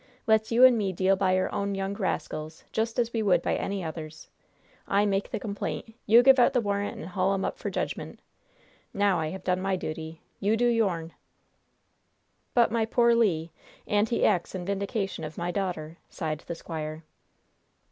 Let's you and me deal by our own young rascals just as we would by any other's. I make the complaint. You give out the warrant and haul 'em up for judgment. Now, I have done my duty. You do your'n!" "But my poor Le! And he acts in vindication of my daughter!" sighed the squire.